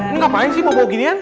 ini ngapain sih mau bawa ginian